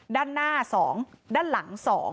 ด้านหน้า๒ด้านหลัง๒